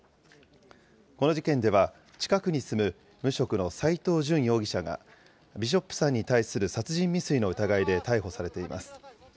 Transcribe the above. この事件では、近くに住む無職の斎藤淳容疑者が、ビショップさんに対する殺人未遂の疑いで逮捕されています。